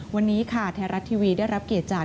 วันนี้ค่ะไทยรัฐทีวีได้รับเกียรติจาก